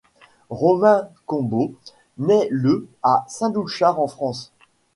Romain Combaud naît le à Saint-Doulchard en France.